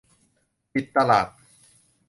ปิดตลาด